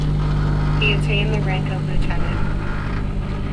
He attained the rank of Lieutenant.